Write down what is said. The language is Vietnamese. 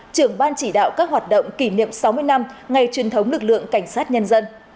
trưởng ban chỉ đạo các hoạt động kỷ niệm sáu mươi năm ngày truyền thống lực lượng cảnh sát nhân dân